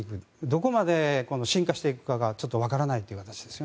どこまで進化していくかがわからないという形です。